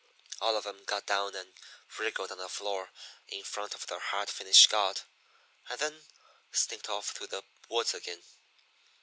All of 'em got down and wriggled on the floor in front of that hard finish god, and then sneaked off through the woods again.